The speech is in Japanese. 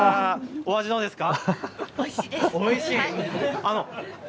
お味どうですか。